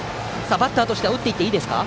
バッターとしては打って行っていいですか？